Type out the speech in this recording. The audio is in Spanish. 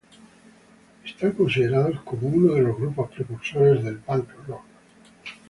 Están considerados como uno de los grupos precursores del punk rock.